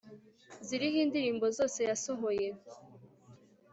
ziriho indirimbo zose yasohoye